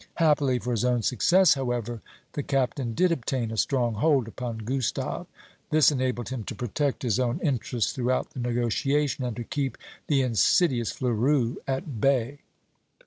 Happily for his own success, however, the Captain did obtain a strong hold upon Gustave. This enabled him to protect his own interests throughout the negotiation, and to keep the insidious Fleurus at bay.